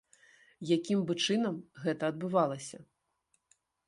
Якім бы чынам гэта адбывалася?